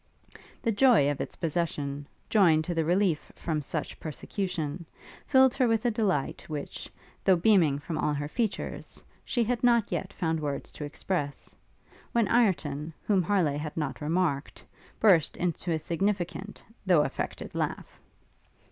The joy of its possession, joined to the relief from such persecution, filled her with a delight which, though beaming from all her features, she had not yet found words to express, when Ireton, whom Harleigh had not remarked, burst into a significant, though affected laugh.